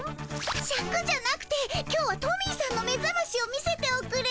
シャクじゃなくて今日はトミーさんのめざましを見せておくれ。